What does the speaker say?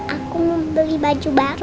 aku mau beli baju baru